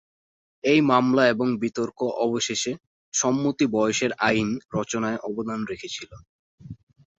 এই মামলা এবং বিতর্ক অবশেষে "সম্মতি বয়সের আইন" রচনায় অবদান রেখেছিল।